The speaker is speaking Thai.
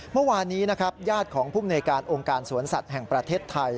เมื่อวานนี้ญาติของพอองค์การสวนสัตว์แห่งประเทศไทย